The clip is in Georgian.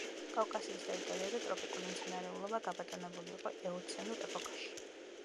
კავკასიის ტერიტორიაზე ტროპიკული მცენარეულობა გაბატონებული იყო ეოცენურ ეპოქაში.